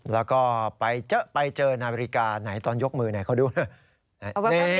แล้วก็ไปเจอไปเจอนาฬิกาไหนตอนยกมือไหนเขาดู